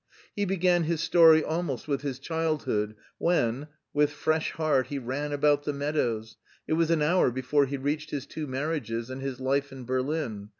He began his story almost with his childhood, when, "with fresh heart, he ran about the meadows; it was an hour before he reached his two marriages and his life in Berlin.